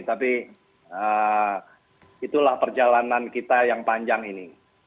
tapi itulah perjalanan kita yang panjang ini